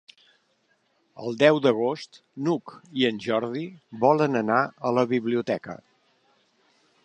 El deu d'agost n'Hug i en Jordi volen anar a la biblioteca.